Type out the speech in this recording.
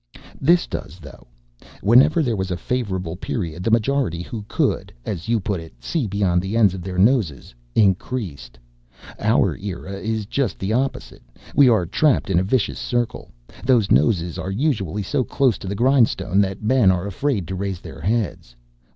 "This does, though: whenever there was a favorable period the majority who could, as you put it, see beyond the ends of their noses increased. Our era is just the opposite. We are trapped in a vicious circle. Those noses are usually so close to the grindstone that men are afraid to raise their heads.